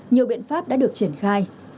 nhiều biện pháp đã được triển khai